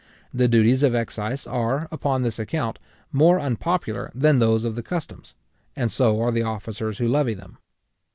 The duties of excise are, upon this account, more unpopular than those of the customs; and so are the officers who levy them.